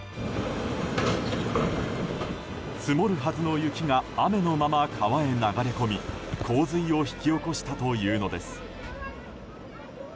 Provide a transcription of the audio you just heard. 積もるはずの雪が雨のまま川へ流れ込み洪水を引き起こしたというのです。